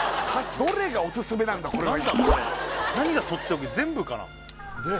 どれがオススメなんだこれは今何がとっておき全部かな？